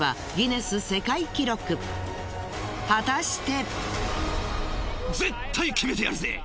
果たして！？